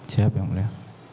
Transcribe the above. siap yang mulia